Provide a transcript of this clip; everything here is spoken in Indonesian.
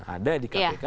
ada di kpk